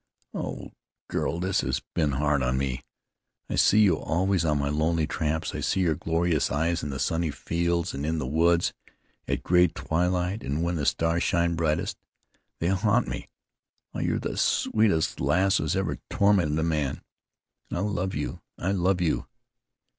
Oh! girl, this has been hard on me. I see you always on my lonely tramps; I see your glorious eyes in the sunny fields an' in the woods, at gray twilight, an' when the stars shine brightest. They haunt me. Ah! you're the sweetest lass as ever tormented a man, an' I love you, I love you!"